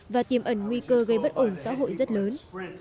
và tiềm ẩn nguy cơ gây bất ổn xã hội rất lớn